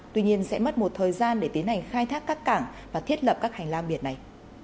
tuy nhiên sẽ mất một thời gian để tiến hành khai thác các cảng và thiết lập các hành lang biển này